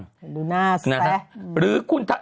ดูหน้าแซะ